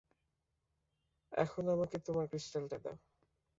এখন, আমাকে তোমার ক্রিস্টালটা দাও।